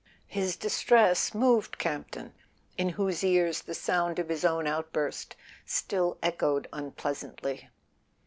His distress moved Campton, in whose ears the sound of his own outburst still echoed unpleasantly.